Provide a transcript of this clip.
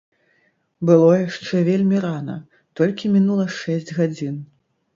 Было яшчэ вельмі рана, толькі мінула шэсць гадзін.